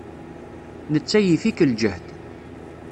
Netta yif-ik ljehd.